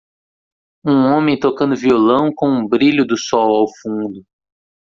Um homem tocando violão com um brilho do sol ao fundo